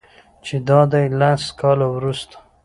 چې دادی لس کاله وروسته